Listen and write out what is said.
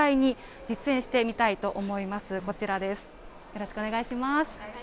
よろしくお願いします。